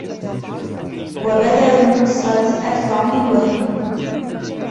وَبَذْلَ النُّصْرَةِ أَدْفَعُ لِلْوَهَنِ